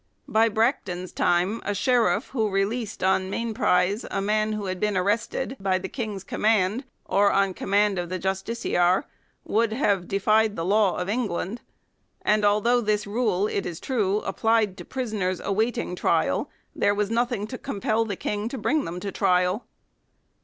1 By Bracton's time a sheriff who re leased on mainprise a man who had been arrested by the King's command or on the command of the justi ciar would have defied the law of England ; 2 and, although this rule, it is true, applied to prisoners awaiting trial, there was nothing to compel the King to bring them to trial.